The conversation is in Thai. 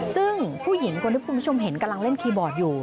ซึ่งผู้หญิงคนที่คุณผู้ชมเห็นกำลังเล่นคีย์บอร์ดอยู่